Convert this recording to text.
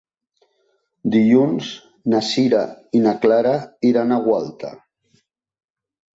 Dilluns na Sira i na Clara iran a Gualta.